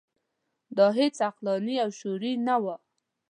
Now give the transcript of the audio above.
دا هیڅ عقلاني او شعوري نه وه.